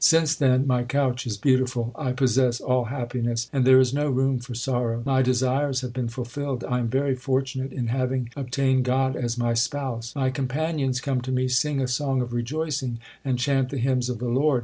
Since then my couch is beautiful ; I possess all happiness, and there is no room for sorrow. My desires have been fulfilled ; I am very fortunate in having obtained God as my Spouse. My companions, come to me, sing a song of rejoicing, and chant the hymns of the Lord.